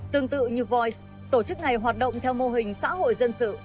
tương tự như voice tổ chức này hoạt động theo mô hình xã hội dân sự